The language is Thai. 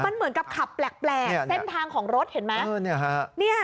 มันเหมือนกับขับแปลกเส้นทางของรถเห็นไหม